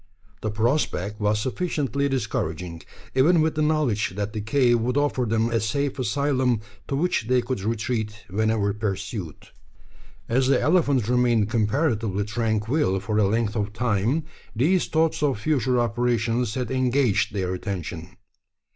The prospect was sufficiently discouraging even with the knowledge that the cave would offer them a safe asylum to which they could retreat whenever pursued. As the elephant remained comparatively tranquil for a length of time, these thoughts of future operations had engaged their attention.